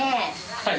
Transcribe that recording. はい。